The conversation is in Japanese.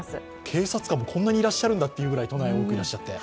警察官もこんなにいらっしゃるんだというくらいいらっしゃって。